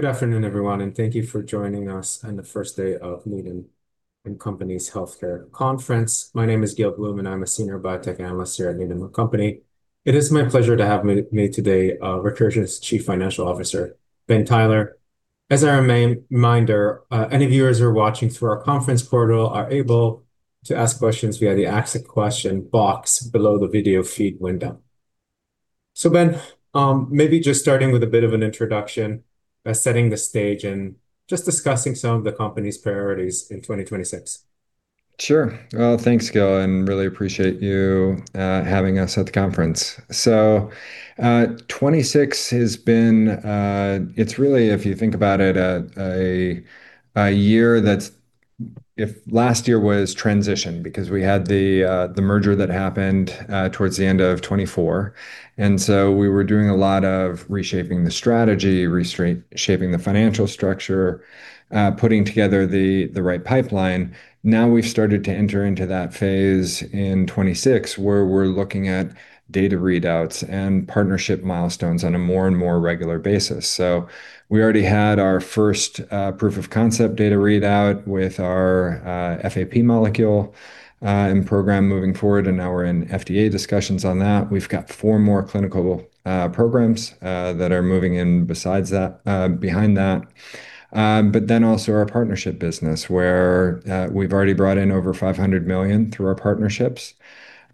Good afternoon, everyone, and thank you for joining us on the first day of Needham & Company's Healthcare Conference. My name is Gil Blum, and I'm a Senior Biotech Analyst here at Needham & Company. It is my pleasure to have with me today Recursion's Chief Financial Officer, Ben Taylor. As a reminder, any viewers who are watching through our conference portal are able to ask questions via the Ask a Question box below the video feed window. Ben, maybe just starting with a bit of an introduction by setting the stage and just discussing some of the company's priorities in 2026. Sure. Well, thanks, Gil, and we really appreciate you having us at the conference. 2026 has been, it's really, if you think about it. If last year was transition because we had the merger that happened towards the end of 2024, and so we were doing a lot of reshaping the strategy, reshaping the financial structure, putting together the right pipeline. Now we've started to enter into that phase in 2026, where we're looking at data readouts and partnership milestones on a more and more regular basis. We already had our first proof of concept data readout with our FAP molecule and program moving forward, and now we're in FDA discussions on that. We've got four more clinical programs that are moving in behind that. Also our partnership business, where we've already brought in over $500 million through our partnerships,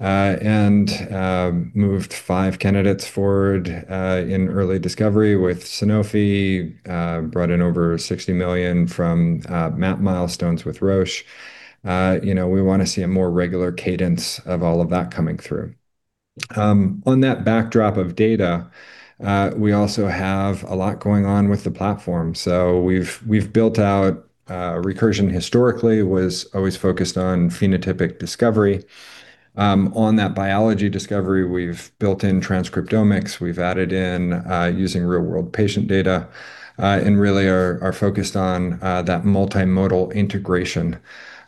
and moved five candidates forward in early discovery with Sanofi, brought in over $60 million from Map milestones with Roche, we want to see a more regular cadence of all of that coming through. On that backdrop of data, we also have a lot going on with the platform. We've built out Recursion historically, was always focused on phenotypic discovery. On that biology discovery, we've built in transcriptomics, we've added in using real-world patient data, and really are focused on that multimodal integration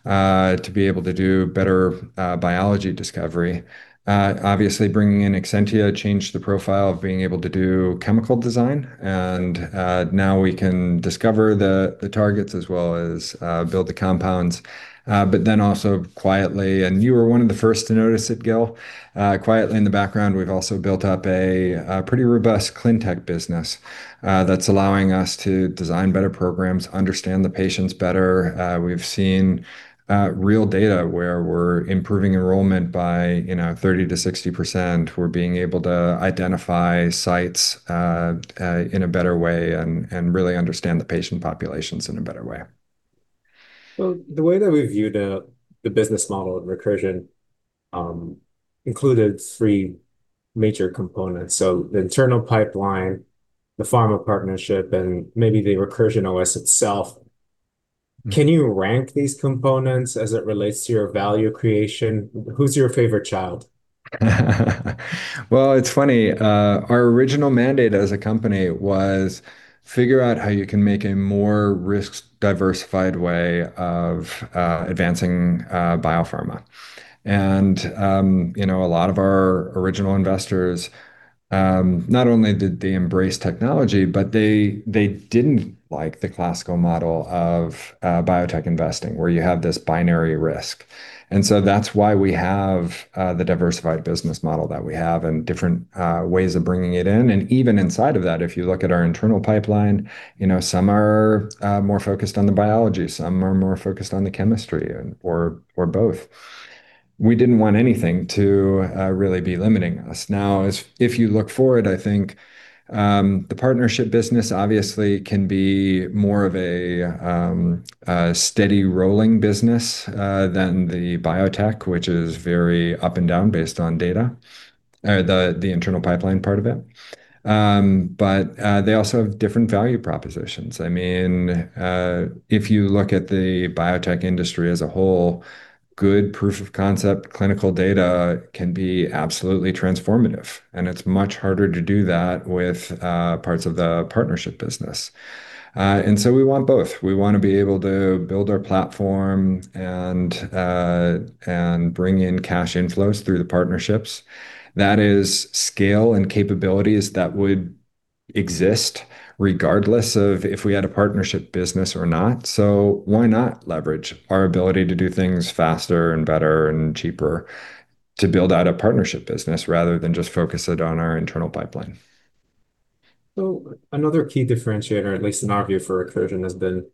to be able to do better biology discovery. Obviously, bringing in Exscientia changed the profile of being able to do chemical design and now we can discover the targets as well as build the compounds. Also quietly, and you were one of the first to notice it, Gil, quietly in the background, we've also built up a pretty robust ClinTech business that's allowing us to design better programs, understand the patients better. We've seen real data where we're improving enrollment by 30%-60%. We're being able to identify sites in a better way and really understand the patient populations in a better way. Well, the way that we viewed the business model at Recursion included three major components, the internal pipeline, the pharma partnership, and maybe the Recursion OS itself. Can you rank these components as it relates to your value creation? Who's your favorite child? Well, it's funny. Our original mandate as a company was figure out how you can make a more risk-diversified way of advancing biopharma. And a lot of our original investors, not only did they embrace technology, but they didn't like the classical model of biotech investing, where you have this binary risk. And so that's why we have the diversified business model that we have and different ways of bringing it in. And even inside of that, if you look at our internal pipeline, some are more focused on the biology, some are more focused on the chemistry, or both. We didn't want anything to really be limiting us. Now, if you look forward, I think the partnership business obviously can be more of a steady rolling business than the biotech, which is very up and down based on data, the internal pipeline part of it. They also have different value propositions. If you look at the biotech industry as a whole, good proof of concept clinical data can be absolutely transformative, and it's much harder to do that with parts of the partnership business. We want both. We want to be able to build our platform and bring in cash inflows through the partnerships. That is scale and capabilities that would exist regardless of if we had a partnership business or not. Why not leverage our ability to do things faster and better and cheaper to build out a partnership business, rather than just focus it on our internal pipeline? Another key differentiator, at least in our view, for Recursion, has been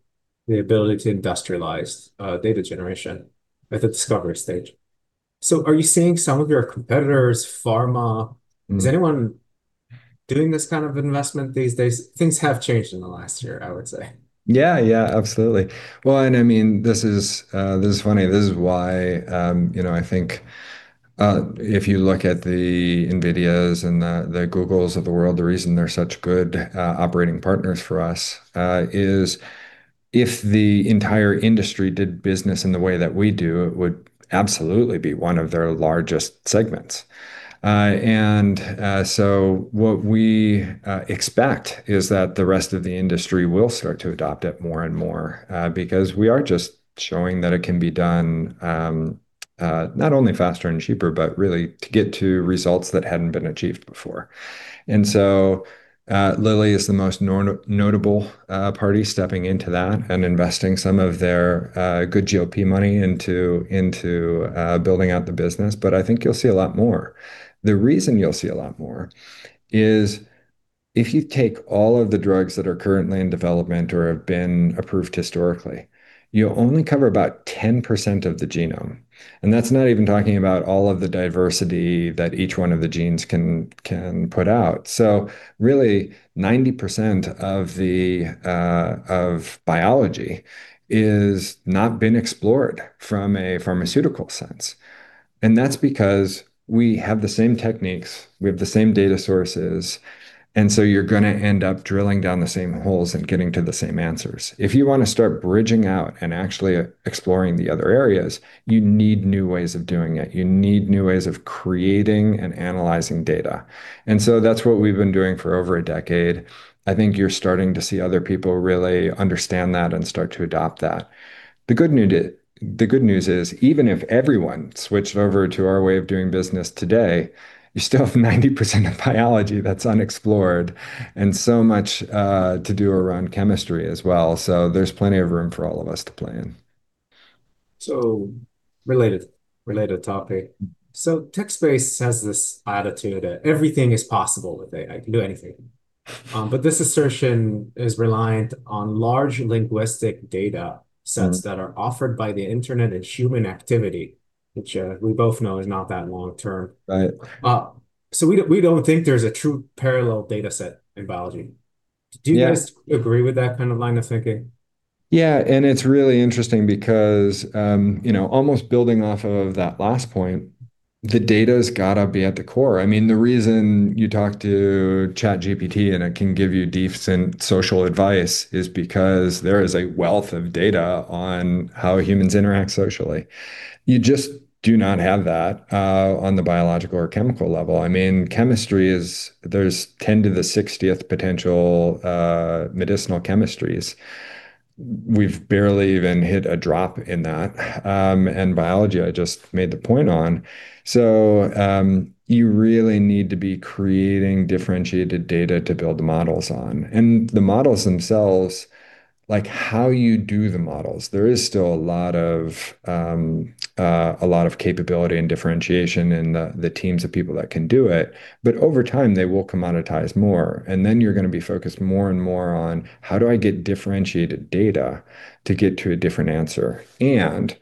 the ability to industrialize data generation at the discovery stage. Are you seeing some of your competitors, pharma? Is anyone doing this kind of investment these days? Things have changed in the last year, I would say. Yeah, absolutely. Well, this is funny. This is why I think if you look at the NVIDIAs and the Googles of the world, the reason they're such good operating partners for us is if the entire industry did business in the way that we do, it would absolutely be one of their largest segments. What we expect is that the rest of the industry will start to adopt it more and more, because we are just showing that it can be done not only faster and cheaper, but really to get to results that hadn't been achieved before. Eli Lilly is the most notable party stepping into that and investing some of their good GOP money into building out the business. I think you'll see a lot more. The reason you'll see a lot more is if you take all of the drugs that are currently in development or have been approved historically, you only cover about 10% of the genome, and that's not even talking about all of the diversity that each one of the genes can put out. Really, 90% of biology has not been explored from a pharmaceutical sense. That's because we have the same techniques, we have the same data sources, and so you're going to end up drilling down the same holes and getting to the same answers. If you want to start bridging out and actually exploring the other areas, you need new ways of doing it. You need new ways of creating and analyzing data. That's what we've been doing for over a decade. I think you're starting to see other people really understand that and start to adopt that. The good news is, even if everyone switched over to our way of doing business today, you still have 90% of biology that's unexplored and so much to do around chemistry as well. There's plenty of room for all of us to play in. Related topic, tech space has this attitude that everything is possible today. I can do anything. This assertion is reliant on large linguistic data sets that are offered by the internet and human activity, which we both know is not that long-term. Right. We don't think there's a true parallel data set in biology. Yes. Do you guys agree with that kind of line of thinking? Yeah. It's really interesting because, almost building off of that last point, the data's got to be at the core. I mean, the reason you talk to ChatGPT and it can give you decent social advice is because there is a wealth of data on how humans interact socially. You just do not have that on the biological or chemical level. I mean, chemistry is there's 10 to the 60th potential medicinal chemistries. We've barely even hit a drop in that. Biology, I just made the point on. You really need to be creating differentiated data to build the models on. The models themselves, like how you do the models, there is still a lot of capability and differentiation in the teams of people that can do it. Over time they will commoditize more, and then you're going to be focused more and more on how do I get differentiated data to get to a different answer, and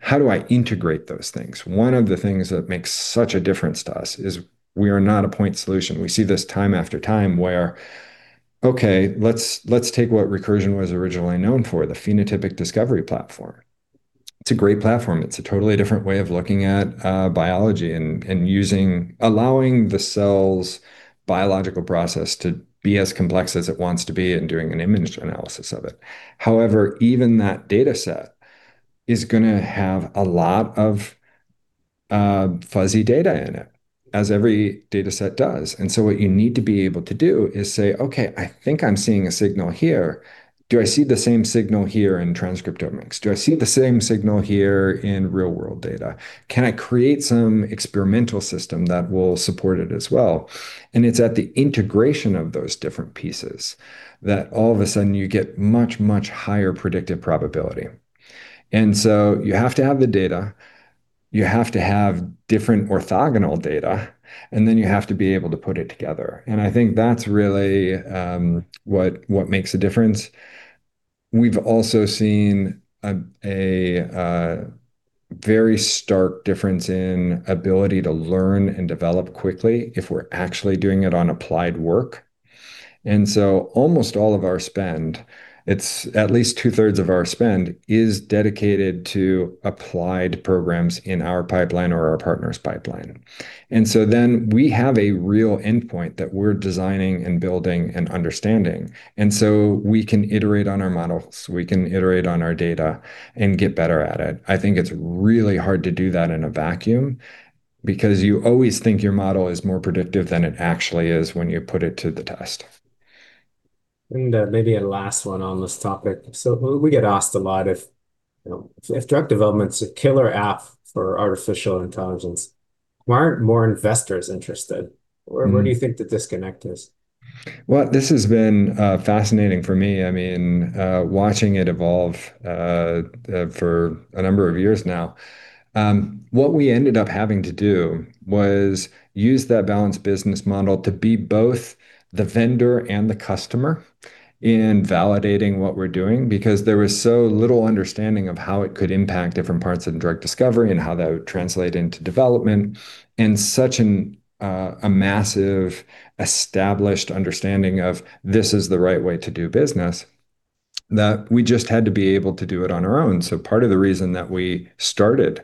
how do I integrate those things? One of the things that makes such a difference to us is we are not a point solution. We see this time after time where, okay, let's take what Recursion was originally known for, the phenotypic discovery platform. It's a great platform. It's a totally different way of looking at biology and allowing the cell's biological process to be as complex as it wants to be and doing an image analysis of it. However, even that dataset is going to have a lot of fuzzy data in it, as every dataset does. What you need to be able to do is say, okay, I think I'm seeing a signal here. Do I see the same signal here in transcriptomics? Do I see the same signal here in real-world data? Can I create some experimental system that will support it as well? It's at the integration of those different pieces that all of a sudden you get much higher predictive probability. You have to have the data, you have to have different orthogonal data, and then you have to be able to put it together. I think that's really what makes a difference. We've also seen a very stark difference in ability to learn and develop quickly if we're actually doing it on applied work. Almost all of our spend, it's at least 2/3 of our spend, is dedicated to applied programs in our pipeline or our partners' pipeline. We have a real endpoint that we're designing and building and understanding, and so we can iterate on our models, we can iterate on our data, and get better at it. I think it's really hard to do that in a vacuum because you always think your model is more predictive than it actually is when you put it to the test. Maybe a last one on this topic. We get asked a lot if drug development's a killer app for artificial intelligence, why aren't more investors interested? Where do you think the disconnect is? Well, this has been fascinating for me, I mean, watching it evolve for a number of years now. What we ended up having to do was use that balanced business model to be both the vendor and the customer in validating what we're doing because there was so little understanding of how it could impact different parts of drug discovery and how that would translate into development, and such a massive established understanding of this is the right way to do business, that we just had to be able to do it on our own. Part of the reason that we started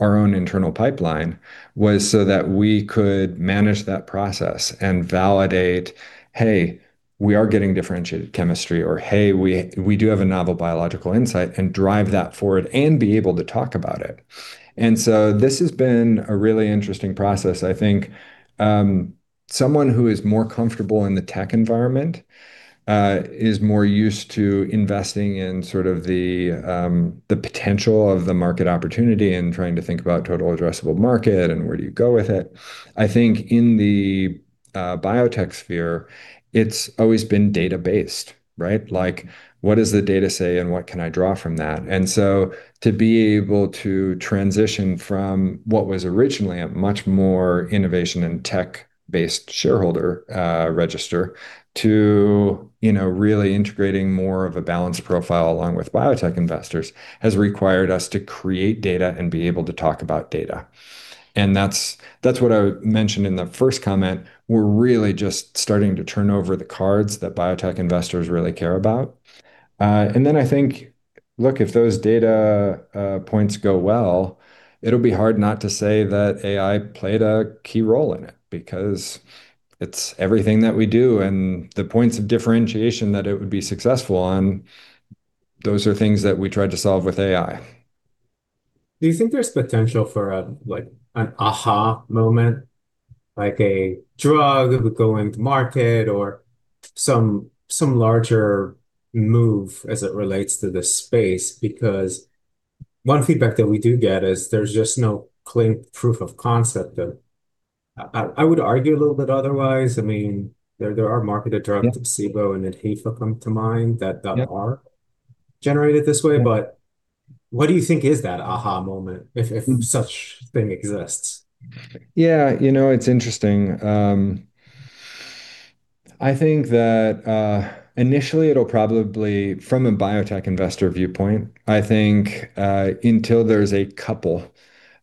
our own internal pipeline was so that we could manage that process and validate, hey, we are getting differentiated chemistry, or hey, we do have a novel biological insight, and drive that forward and be able to talk about it. This has been a really interesting process, I think. Someone who is more comfortable in the tech environment is more used to investing in sort of the potential of the market opportunity and trying to think about total addressable market and where do you go with it. I think in the biotech sphere, it's always been data-based, right? Like, what does the data say and what can I draw from that? To be able to transition from what was originally a much more innovation and tech-based shareholder register to really integrating more of a balanced profile along with biotech investors has required us to create data and be able to talk about data. That's what I mentioned in the first comment. We're really just starting to turn over the cards that biotech investors really care about. I think, look, if those data points go well, it'll be hard not to say that AI played a key role in it because it's everything that we do and the points of differentiation that it would be successful on, those are things that we tried to solve with AI. Do you think there's potential for an aha moment, like a drug that would go into market or some larger move as it relates to this space? Because one feedback that we do get is there's just no clean proof of concept. I would argue a little bit otherwise. There are marketed drugs, placebo and IDHIFA come to mind that are generated this way. What do you think is that aha moment, if such thing exists? Yeah. It's interesting. I think that, initially, it'll probably, from a biotech investor viewpoint, I think, until there's a couple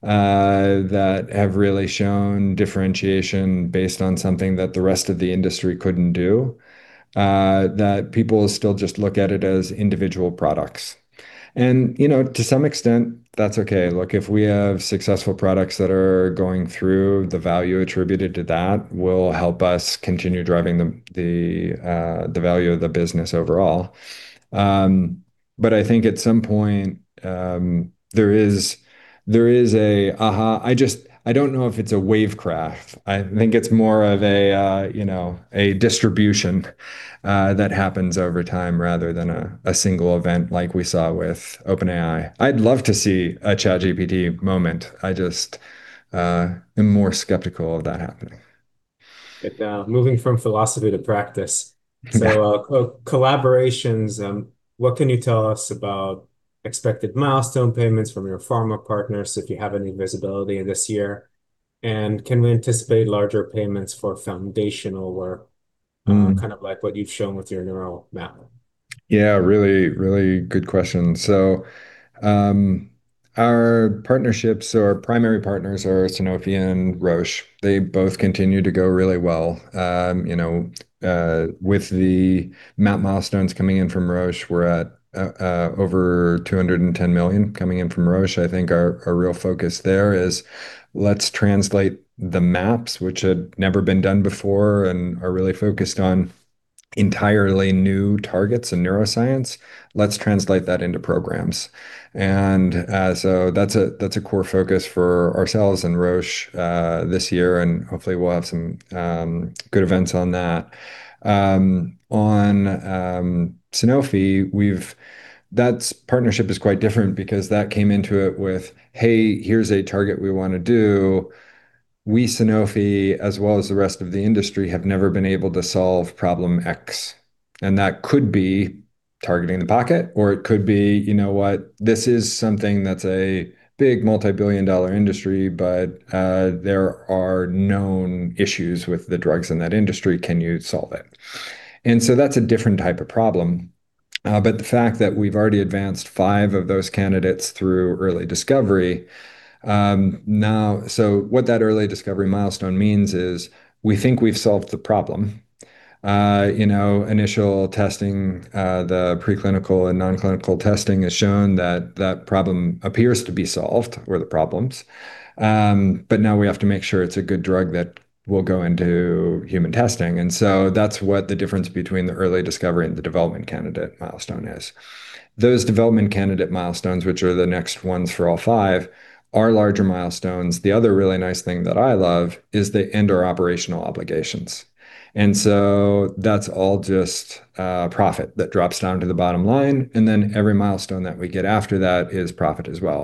that have really shown differentiation based on something that the rest of the industry couldn't do, that people will still just look at it as individual products. To some extent, that's okay. Look, if we have successful products that are going through, the value attributed to that will help us continue driving the value of the business overall. I think at some point, there is an aha. I don't know if it's a wavefront. I think it's more of a distribution that happens over time rather than a single event like we saw with OpenAI. I'd love to see a ChatGPT moment. I just am more skeptical of that happening. Moving from philosophy to practice. Collaborations, what can you tell us about expected milestone payments from your pharma partners, if you have any visibility this year? Can we anticipate larger payments for foundational work? Kind of like what you've shown with your neural map? Yeah, really good question. Our partnerships or primary partners are Sanofi and Roche. They both continue to go really well. With the Map milestones coming in from Roche, we're at over $210 million coming in from Roche. I think our real focus there is let's translate the maps, which had never been done before and are really focused on entirely new targets in neuroscience. Let's translate that into programs. That's a core focus for ourselves and Roche, this year, and hopefully we'll have some good events on that. On Sanofi, that partnership is quite different because that came into it with, "Hey, here's a target we want to do. We, Sanofi, as well as the rest of the industry, have never been able to solve problem X." That could be targeting the pocket, or it could be, "You know what? This is something that's a big multi-billion-dollar industry, but there are known issues with the drugs in that industry. Can you solve it? That's a different type of problem. The fact that we've already advanced five of those candidates through early discovery, what that early discovery milestone means is we think we've solved the problem. Initial testing, the preclinical and non-clinical testing has shown that that problem appears to be solved or the problems. Now we have to make sure it's a good drug that will go into human testing. That's what the difference between the early discovery and the development candidate milestone is. Those development candidate milestones, which are the next ones for all five, are larger milestones. The other really nice thing that I love is they end our operational obligations. That's all just profit that drops down to the bottom line. Every milestone that we get after that is profit as well.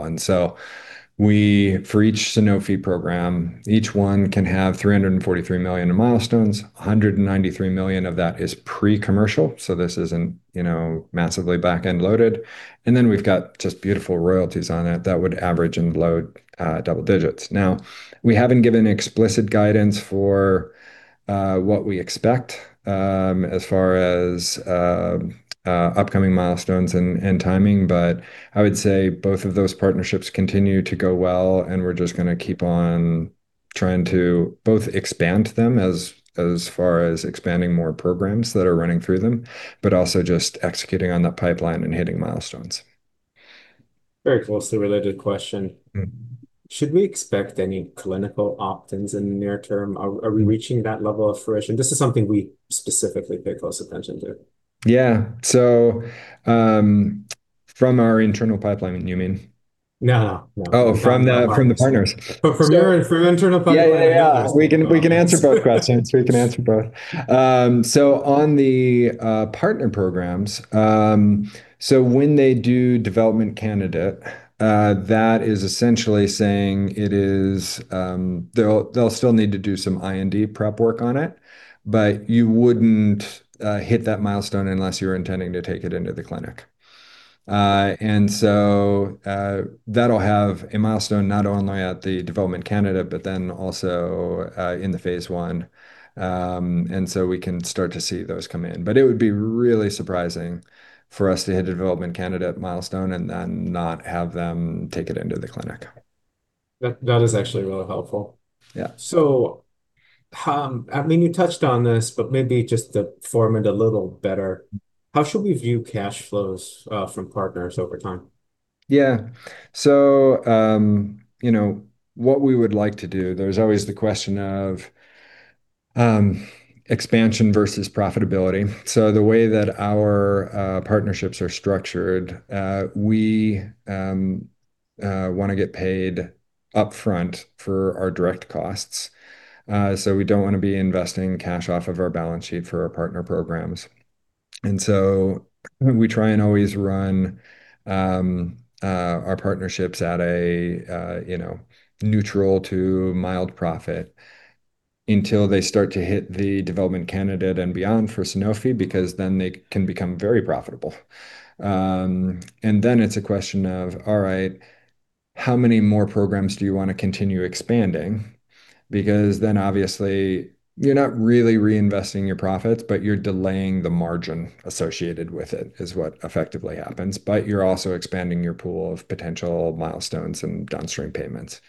For each Sanofi program, each one can have $343 million in milestones, $193 million of that is pre-commercial. This isn't massively back-end loaded. We've got just beautiful royalties on it that would average in the low double digits. Now, we haven't given explicit guidance for what we expect, as far as upcoming milestones and timing, but I would say both of those partnerships continue to go well, and we're just going to keep on trying to both expand them as far as expanding more programs that are running through them, but also just executing on the pipeline and hitting milestones. Very closely related question. Should we expect any clinical opt-ins in the near term? Are we reaching that level of fruition? This is something we specifically pay close attention to. Yeah. From our internal pipeline, you mean? No. Oh, from the partners. From your internal pipeline. Yeah. We can answer both questions. On the partner programs, when they do development candidate, that is essentially saying they'll still need to do some IND prep work on it, but you wouldn't hit that milestone unless you were intending to take it into the clinic. That'll have a milestone not only at the development candidate, but then also in the phase I, and so we can start to see those come in. It would be really surprising for us to hit a development candidate milestone and then not have them take it into the clinic. That is actually really helpful. Yeah. You touched on this, but maybe just to form it a little better, how should we view cash flows from partners over time? Yeah, what we would like to do, there's always the question of expansion versus profitability. The way that our partnerships are structured, we want to get paid upfront for our direct costs. We don't want to be investing cash off of our balance sheet for our partner programs. We try and always run our partnerships at a neutral to mild profit until they start to hit the development candidate and beyond for Sanofi, because then they can become very profitable. It's a question of, all right, how many more programs do you want to continue expanding? Because then obviously you're not really reinvesting your profits, but you're delaying the margin associated with it, is what effectively happens. You're also expanding your pool of potential milestones and downstream payments.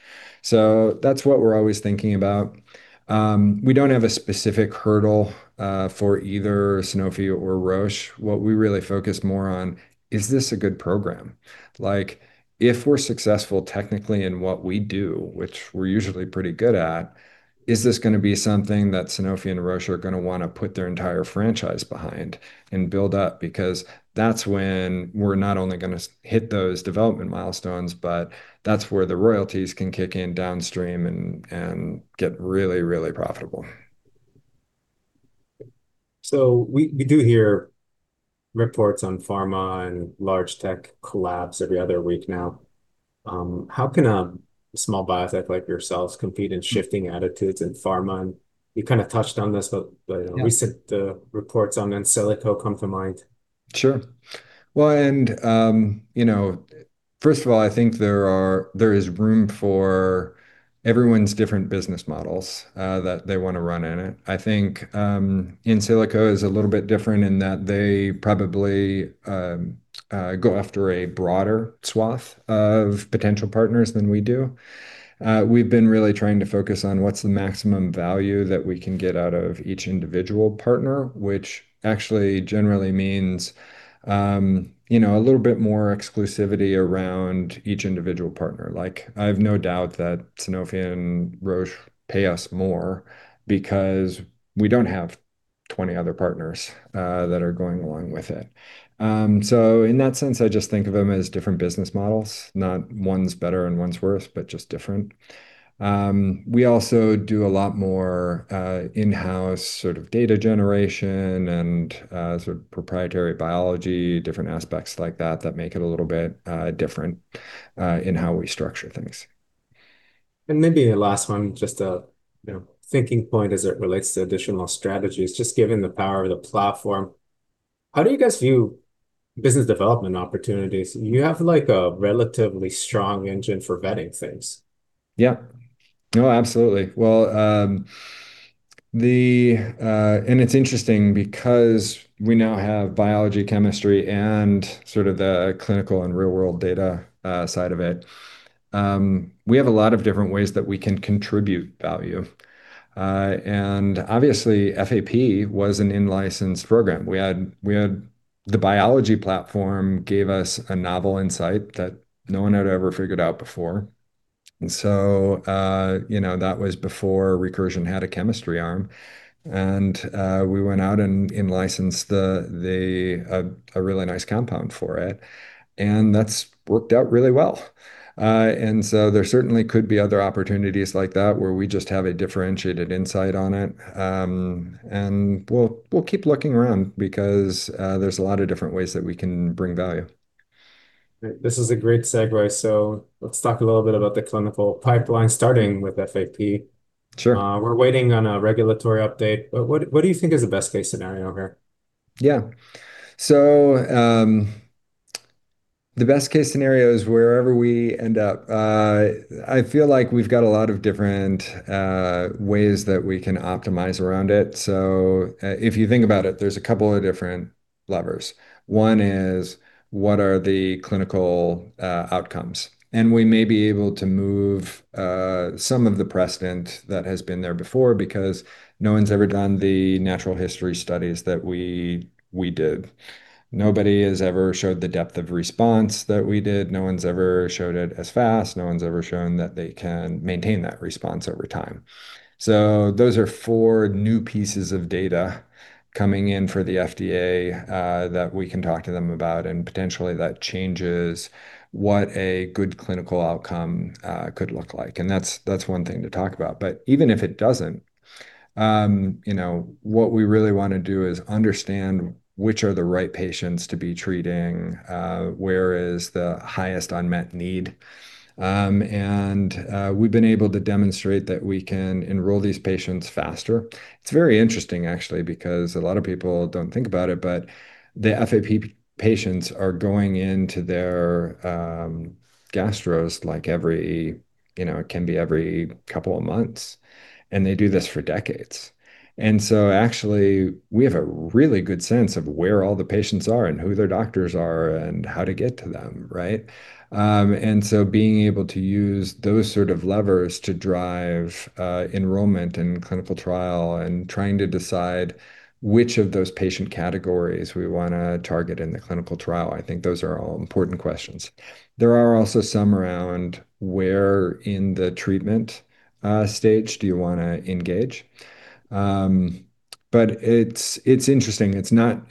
That's what we're always thinking about. We don't have a specific hurdle for either Sanofi or Roche. What we really focus more on is this a good program. If we're successful technically in what we do, which we're usually pretty good at, is this going to be something that Sanofi and Roche are going to want to put their entire franchise behind and build up? Because that's when we're not only going to hit those development milestones, but that's where the royalties can kick in downstream and get really profitable. We do hear reports on pharma and large tech collabs every other week now. How can a small biotech like yourselves compete in shifting attitudes in pharma? You kind of touched on this recent reports on Insilico come to mind. Sure. Well, first of all, I think there is room for everyone's different business models that they want to run in it. I think Insilico is a little bit different in that they probably go after a broader swath of potential partners than we do. We've been really trying to focus on what's the maximum value that we can get out of each individual partner, which actually generally means a little bit more exclusivity around each individual partner. I have no doubt that Sanofi and Roche pay us more because we don't have 20 other partners that are going along with it. In that sense, I just think of them as different business models. Not one's better and one's worse, but just different. We also do a lot more in-house sort of data generation and sort of proprietary biology, different aspects like that make it a little bit different in how we structure things. Maybe a last one, just a thinking point as it relates to additional strategies, just given the power of the platform, how do you guys view business development opportunities? You have a relatively strong engine for vetting things. Yeah. No, absolutely. Well, it's interesting because we now have biology, chemistry, and sort of the clinical and real-world data side of it. We have a lot of different ways that we can contribute value. Obviously FAP was an in-licensed program. The biology platform gave us a novel insight that no one had ever figured out before, and so that was before Recursion had a chemistry arm. We went out and in-licensed a really nice compound for it, and that's worked out really well. There certainly could be other opportunities like that where we just have a differentiated insight on it. We'll keep looking around because there's a lot of different ways that we can bring value. This is a great segue, so let's talk a little bit about the clinical pipeline, starting with FAP. Sure. We're waiting on a regulatory update, but what do you think is the best-case scenario here? Yeah. The best-case scenario is wherever we end up. I feel like we've got a lot of different ways that we can optimize around it. If you think about it, there's a couple of different levers. One is what are the clinical outcomes? We may be able to move some of the precedent that has been there before because no one's ever done the natural history studies that we did. Nobody has ever showed the depth of response that we did. No one's ever showed it as fast. No one's ever shown that they can maintain that response over time. Those are four new pieces of data coming in for the FDA that we can talk to them about, and potentially that changes what a good clinical outcome could look like. That's one thing to talk about. Even if it doesn't, what we really want to do is understand which are the right patients to be treating, where is the highest unmet need. We've been able to demonstrate that we can enroll these patients faster. It's very interesting, actually, because a lot of people don't think about it, but the FAP patients are going into their gastros, it can be every couple of months, and they do this for decades. Actually, we have a really good sense of where all the patients are and who their doctors are and how to get to them, right? Being able to use those sort of levers to drive enrollment in clinical trial and trying to decide which of those patient categories we want to target in the clinical trial, I think those are all important questions. There are also some around where in the treatment stage do you want to engage. It's interesting. It's not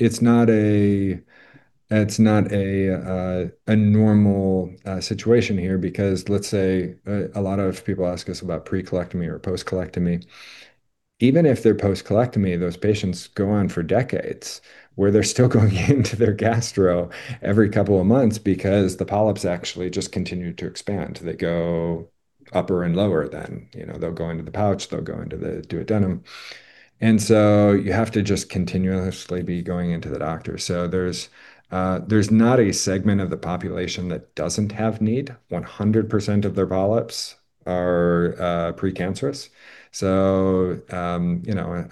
a normal situation here because, let's say, a lot of people ask us about pre-colectomy or post-colectomy. Even if they're post-colectomy, those patients go on for decades, where they're still going into their gastro every couple of months because the polyps actually just continue to expand. They go upper and lower then. They'll go into the pouch, they'll go into the duodenum. You have to just continuously be going into the doctor. There's not a segment of the population that doesn't have need. 100% of their polyps are precancerous.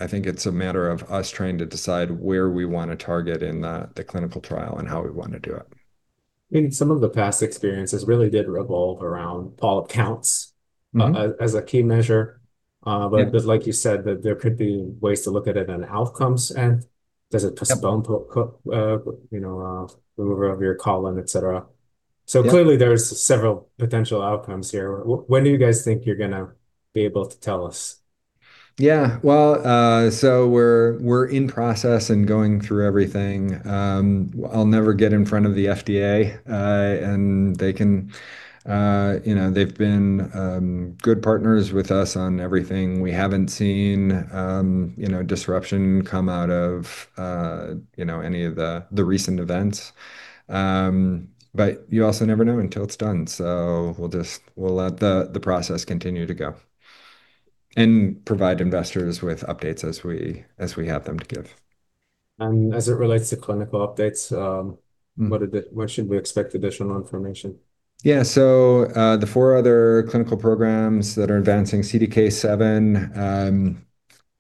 I think it's a matter of us trying to decide where we want to target in the clinical trial and how we want to do it. I mean, some of the past experiences really did revolve around polyp counts. As a key measure. Like you said, there could be ways to look at it in outcomes. Removal of your colon, et cetera. Yep. Clearly there's several potential outcomes here. When do you guys think you're going to be able to tell us? Yeah. Well, we're in process and going through everything. I'll never get in front of the FDA. They've been good partners with us on everything. We haven't seen disruption come out of any of the recent events. You also never know until it's done. We'll let the process continue to go and provide investors with updates as we have them to give. As it relates to clinical updates. When should we expect additional information? Yeah, the four other clinical programs that are advancing CDK7,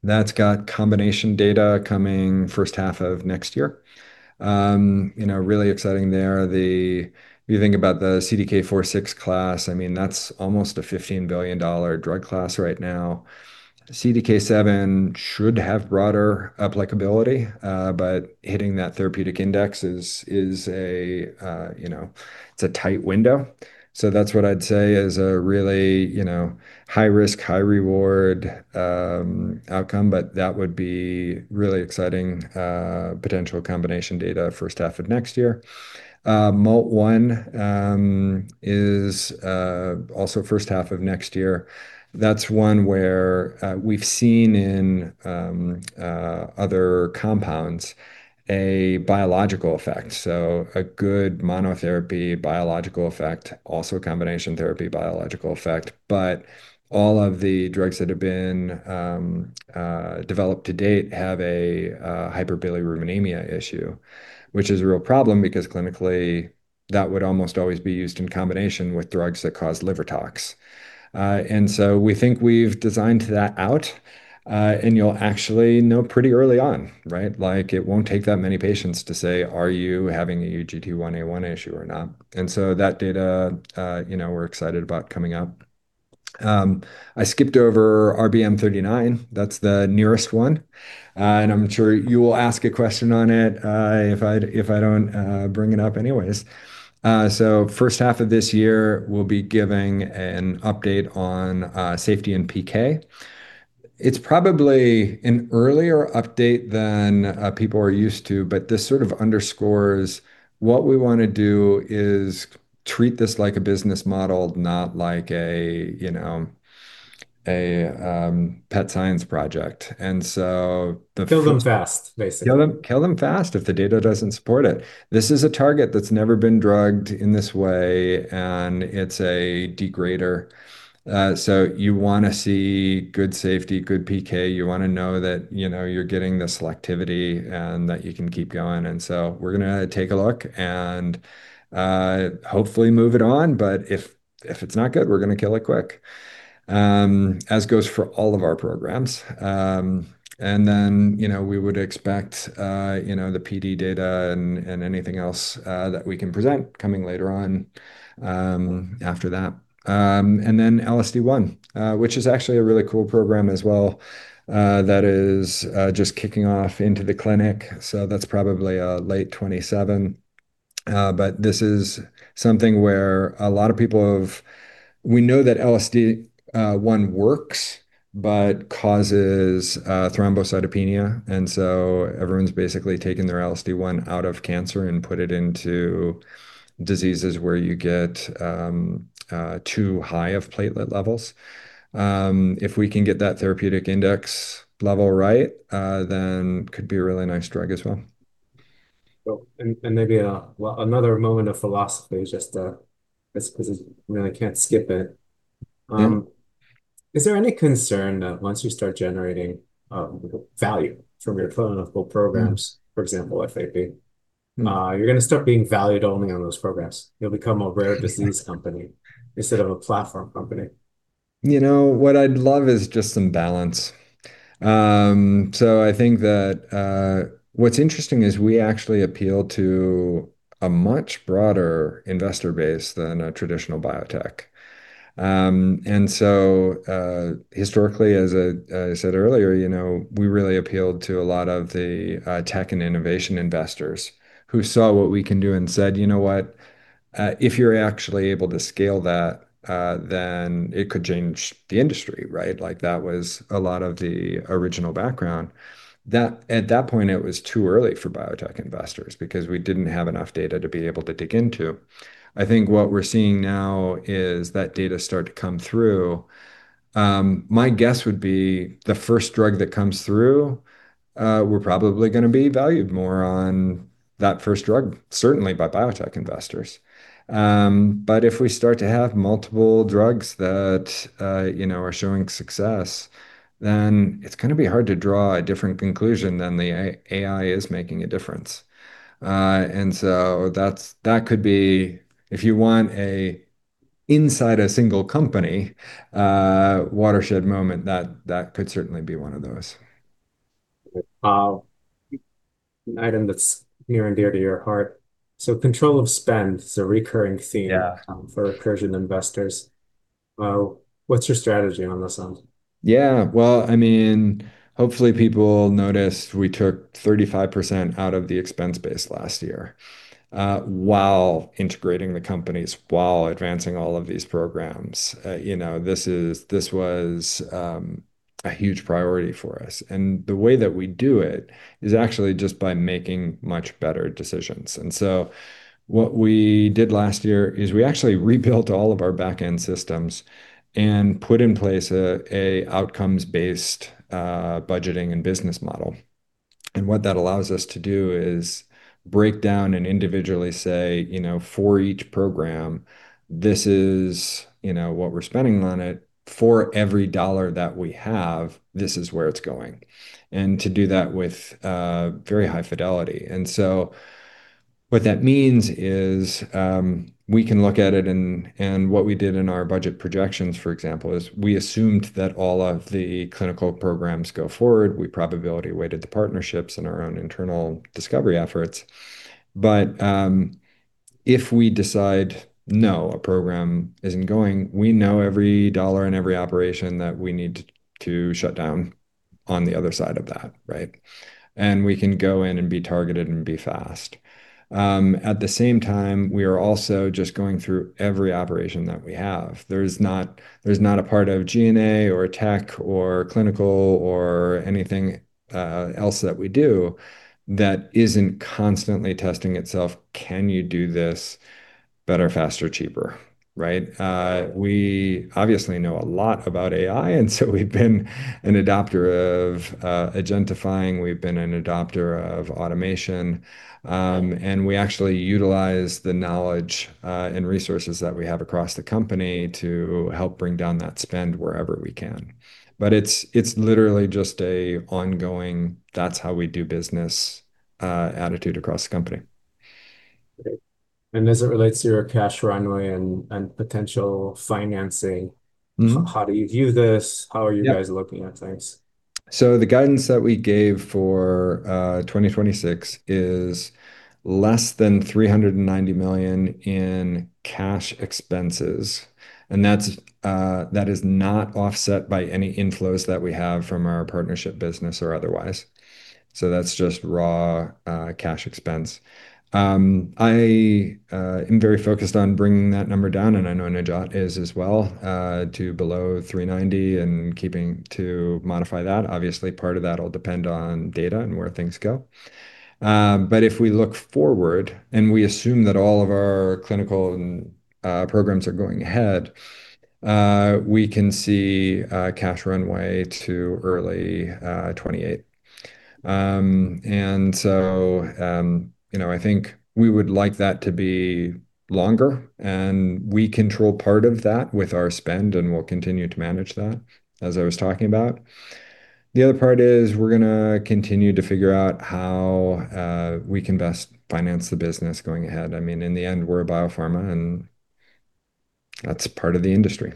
that's got combination data coming first half of next year. Really exciting there. If you think about the CDK4/6 class, I mean, that's almost a $15 billion drug class right now. CDK7 should have broader applicability, but hitting that therapeutic index, it's a tight window. That's what I'd say is a really high risk, high reward outcome. That would be really exciting potential combination data first half of next year. MALT1 is also first half of next year. That's one where we've seen in other compounds a biological effect, so a good monotherapy biological effect, also a combination therapy biological effect. All of the drugs that have been developed to date have a hyperbilirubinemia issue, which is a real problem because clinically that would almost always be used in combination with drugs that cause liver tox. We think we've designed that out, and you'll actually know pretty early on, right? It won't take that many patients to say, are you having a UGT1A1 issue or not? That data, we're excited about coming up. I skipped over RBM39. That's the nearest one, and I'm sure you will ask a question on it if I don't bring it up anyways. First half of this year, we'll be giving an update on safety and PK. It's probably an earlier update than people are used to, but this sort of underscores what we want to do is treat this like a business model, not like a pet science project. Kill them fast, basically. Kill them fast if the data doesn't support it. This is a target that's never been drugged in this way, and it's a degrader. You want to see good safety, good PK. You want to know that you're getting the selectivity and that you can keep going. We're going to take a look and hopefully move it on. If it's not good, we're going to kill it quick. As goes for all of our programs. We would expect the PD data and anything else that we can present coming later on after that. LSD1, which is actually a really cool program as well, that is just kicking off into the clinic. That's probably late 2027. This is something where we know that LSD1 works but causes thrombocytopenia, and so everyone's basically taken their LSD1 out of cancer and put it into diseases where you get too high of platelet levels. If we can get that therapeutic index level right, then it could be a really nice drug as well. Well, maybe another moment of philosophy just because I really can't skip it. Is there any concern that once you start generating value from your clinical programs, for example, FAP, you're going to start being valued only on those programs? You'll become a rare disease company instead of a platform company. What I'd love is just some balance. I think that what's interesting is we actually appeal to a much broader investor base than a traditional biotech. Historically, as I said earlier, we really appealed to a lot of the tech and innovation investors who saw what we can do and said, "You know what? If you're actually able to scale that, then it could change the industry," right? That was a lot of the original background. At that point, it was too early for biotech investors because we didn't have enough data to be able to dig into. I think what we're seeing now is that data start to come through. My guess would be the first drug that comes through, we're probably going to be valued more on that first drug, certainly by biotech investors. If we start to have multiple drugs that are showing success, then it's going to be hard to draw a different conclusion than the AI is making a difference. If you want inside a single company watershed moment, that could certainly be one of those. An item that's near and dear to your heart. Control of spend is a recurring theme for Recursion investors, what's your strategy on this one? Yeah. Well, hopefully people noticed we took 35% out of the expense base last year, while integrating the companies, while advancing all of these programs. This was a huge priority for us. The way that we do it is actually just by making much better decisions. What we did last year is we actually rebuilt all of our backend systems and put in place a outcomes-based budgeting and business model. What that allows us to do is break down and individually say, for each program, this is what we're spending on it, for every dollar that we have, this is where it's going, and to do that with very high fidelity. What that means is, we can look at it and what we did in our budget projections, for example, is we assumed that all of the clinical programs go forward. We probability-weighted the partnerships and our own internal discovery efforts. If we decide, no, a program isn't going, we know every dollar and every operation that we need to shut down on the other side of that, right? We can go in and be targeted and be fast. At the same time, we are also just going through every operation that we have. There's not a part of G&A or tech or clinical or anything else that we do that isn't constantly testing itself. Can you do this better, faster, cheaper, right? We obviously know a lot about AI, and so we've been an adopter of agentifying. We've been an adopter of automation. We actually utilize the knowledge and resources that we have across the company to help bring down that spend wherever we can. It's literally just an ongoing, that's how we do business attitude across the company. Great. As it relates to your cash runway and potential financing. How do you view this? How are you guys looking at things? The guidance that we gave for 2026 is less than $390 million in cash expenses, and that is not offset by any inflows that we have from our partnership business or otherwise. That's just raw cash expense. I am very focused on bringing that number down, and I know Najat is as well, to below 390 and keeping to modify that. Obviously, part of that'll depend on data and where things go. If we look forward and we assume that all of our clinical programs are going ahead, we can see cash runway to early 2028. I think we would like that to be longer and we control part of that with our spend, and we'll continue to manage that, as I was talking about. The other part is we're going to continue to figure out how we can best finance the business going ahead. In the end, we're a biopharma and that's part of the industry.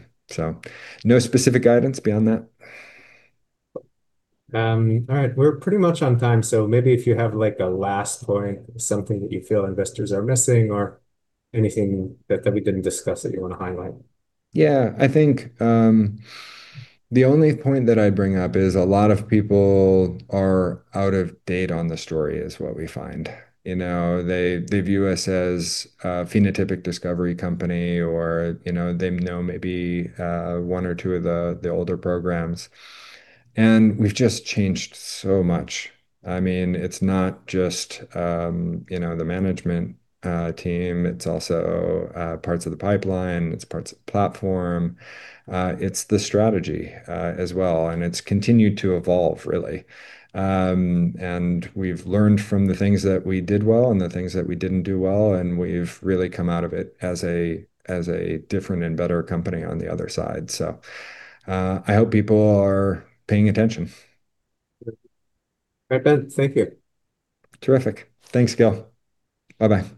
No specific guidance beyond that. All right. We're pretty much on time, so maybe if you have like a last point, something that you feel investors are missing or anything that we didn't discuss that you want to highlight. Yeah. I think the only point that I'd bring up is a lot of people are out of date on the story is what we find. They view us as a phenotypic discovery company or they know maybe one or two of the older programs. We've just changed so much. It's not just the management team, it's also parts of the pipeline, it's parts of the platform. It's the strategy as well, and it's continued to evolve really. We've learned from the things that we did well and the things that we didn't do well, and we've really come out of it as a different and better company on the other side. I hope people are paying attention. All right, Ben. Thank you. Terrific. Thanks, Gil. Bye-bye.